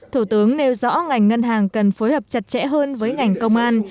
thủ tướng nêu rõ ngành ngân hàng cần phối hợp chặt chẽ hơn với ngành công an